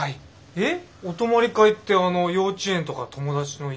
えっ？